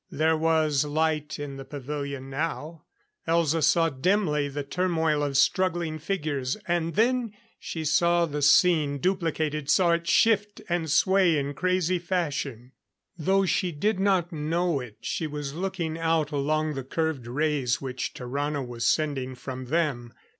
There was light in the pavilion now. Elza saw dimly the turmoil of struggling figures; and then she saw the scene duplicated saw it shift and sway in crazy fashion. Though she did not know it, she was looking out along the curved rays which Tarrano was sending from them.